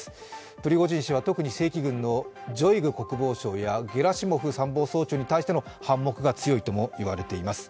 プリゴジン氏は特に正規軍のショイグ国防相やゲラシモフ参謀総長に対しての反目が強いともいわれています。